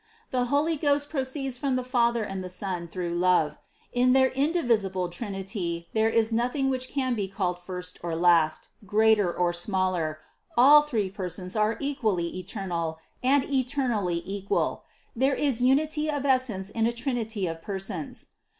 The Holy Ghost pro ceeds from the Father and the Son through love. In their indivisible Trinity there is nothing which can be called first or last, greater or smaller: all three Persons are equally eternal and eternally equal ; there is unity of essence in a trinity of persons.